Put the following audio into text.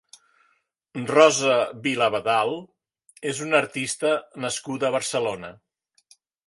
Rosa Vila-Abadal és una artista nascuda a Barcelona.